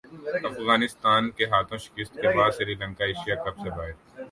افغانستان کے ہاتھوں شکست کے بعد سری لنکا ایشیا کپ سے باہر